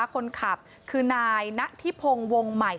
คนขับคือนายณฑิพงศ์วงใหม่